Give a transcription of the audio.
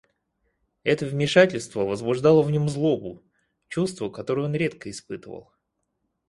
Это вмешательство возбуждало в нем злобу — чувство, которое он редко испытывал.